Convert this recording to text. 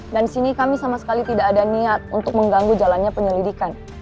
dan sini kami sama sekali tidak ada niat untuk mengganggu jalannya penyelidikan